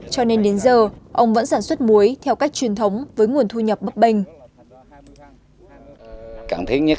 cho nên đến giờ ông vẫn sản xuất muối theo cách truyền thống với nguồn thu nhập bấp bênh